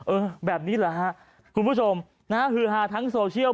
เออแบบนี้แหละฮะคุณผู้ชมนะฮะฮือฮาทั้งโซเชียล